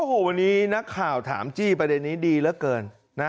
โอ้โหวันนี้นักข่าวถามจี้ประเด็นนี้ดีเหลือเกินนะ